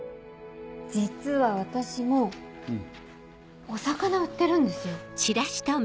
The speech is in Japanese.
実は私もお魚売ってるんですよ